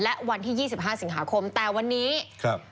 และวันที่๒๕สิงหาคมแต่วันนี้ครับ